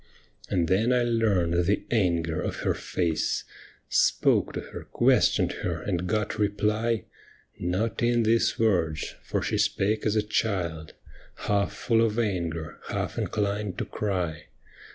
And then I learned the anger of her face, 94 'THE ME WITHIN THEE BLIND!' Spoke to her, questioned her, and got reply — Not in these words, for she spake as a child, Half full of anger, half inclined to cry.